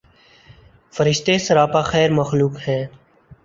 فرشتے سراپاخیر مخلوق ہیں